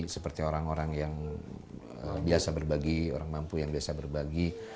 seperti orang orang yang biasa berbagi orang mampu yang biasa berbagi